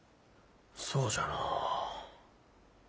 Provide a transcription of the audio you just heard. そうじゃのう。